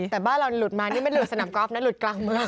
แต่บ้านเราหลุดมานี่ไม่หลุดสนามกอล์ฟนะหลุดกลางเมือง